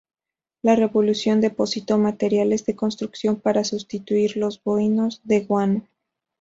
La Revolución depositó materiales de construcción para sustituir los bohíos de guano.